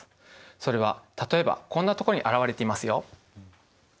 それは例えばこんなとこに現れていますよ。